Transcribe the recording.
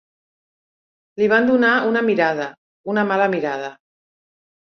Li van donar una mirada, una mala mirada.